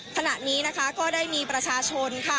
ขณะนี้นะคะก็ได้มีประชาชนค่ะ